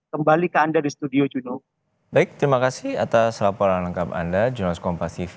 kembali ke anda di studio juno